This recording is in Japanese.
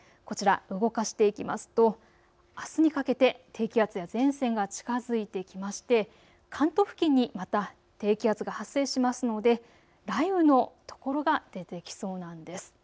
こちら、動かしていきますとあすにかけて低気圧や前線が近づいてきまして関東付近にまた低気圧が発生しますので雷雨のところが出てきそうなんです。